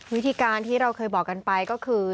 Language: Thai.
วิธีการที่เราเคยบอกกันไปก็คือ